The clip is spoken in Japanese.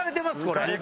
これ。